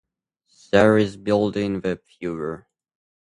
There is a built in web viewer